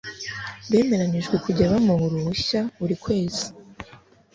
bemeranijwe kujya bamuha uruhushya buri kwezi